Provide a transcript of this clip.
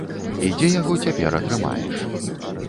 І дзе яго цяпер атрымаеш.